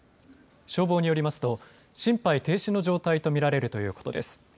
消防によりますと心肺停止の状態と見られるということです。